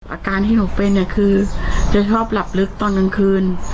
อาการที่หนูเป็นเนี่ยคือจะชอบหลับลึกตอนกลางคืน